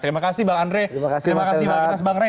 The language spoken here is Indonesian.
terima kasih pak andre terima kasih pak inas bang ray